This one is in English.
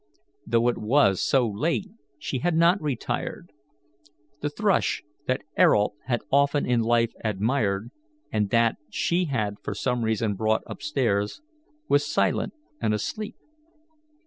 Though it was so late, she had not retired. The thrush that Ayrault had often in life admired, and that she had for some reason brought up stairs, was silent and asleep.